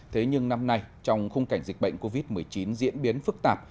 thế nhưng năm nay trong khung cảnh dịch bệnh covid một mươi chín diễn biến phức tạp